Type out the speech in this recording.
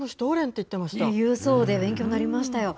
言うそうで勉強になりましたよ。